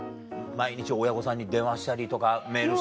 毎日親御さんに電話したりとかメールしたりとか。